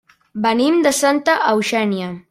Venim de Santa Eugènia.